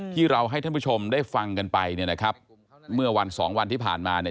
ที่เราให้ท่านผู้ชมได้ฟังกันไปเนี่ยนะครับเมื่อวันสองวันที่ผ่านมาเนี่ย